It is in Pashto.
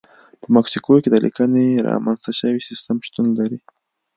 په مکسیکو کې د لیکنې رامنځته شوی سیستم شتون لري.